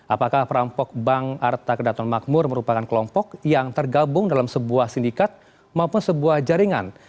apakah perampok bank arta kedaton makmur merupakan kelompok yang tergabung dalam sebuah sindikat maupun sebuah jaringan